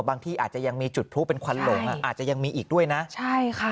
ที่อาจจะยังมีจุดพลุเป็นควันหลงอ่ะอาจจะยังมีอีกด้วยนะใช่ค่ะ